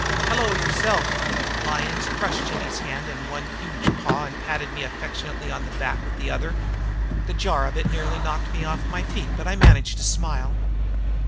"Hello, yourself!" Lyons crushed Jimmy's hand in one huge paw and patted me affectionately on the back with the other. The jar of it nearly knocked me off my feet but I managed to smile.